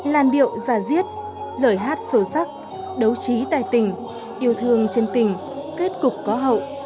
làn điệu giả giết lời hát sâu sắc đấu trí tài tình yêu thương chân tình kết cục có hậu